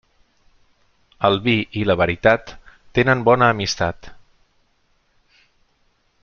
El vi i la veritat tenen bona amistat.